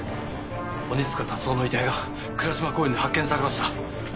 鬼塚辰夫の遺体が倉島公園で発見されました。